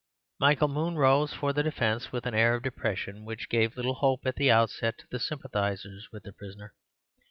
Michael Moon rose for the defence with an air of depression which gave little hope at the outset to the sympathizers with the prisoner.